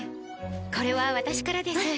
これは私からです。